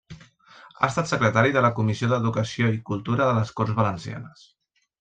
Ha estat secretari de la Comissió d'Educació i Cultura de les Corts Valencianes.